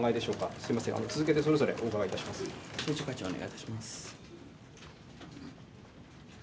すみません、続けてそれぞれお伺政調会長、お願いいたします。